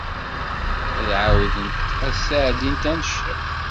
Ad ɛawdent ad d-sɛeddint aneccaf.